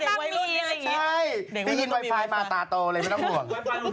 เด็กวันมีอะไรอย่างนี้ใช่หนูกินไวไฟมาตาโตเลยไม่ต้องห่วง